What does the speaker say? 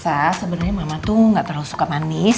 saya sebenernya mama tuh gak terlalu suka manis